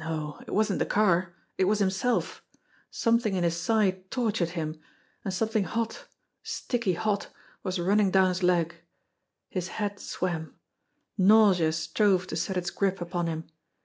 No, it wasn't the car, it was himself. Something in his side tor tured him, and something hot, sticky hot, was running down 216 JIMMIE DALE AND THE PHANTOM CLUE his leg. His head swam. Nausea strove to set its grip upon him.